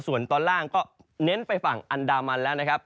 ส่วนตอนล่างก็เน้นไปฝั่งอันดามันแล้วนะครับ